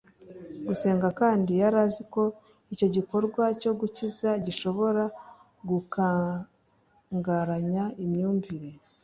gusenga kandi yari azi ko icyo gikorwa cyo gukiza gishobora gukangaranya imyumvire